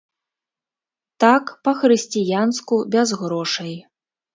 Так, па-хрысціянску, без грошай.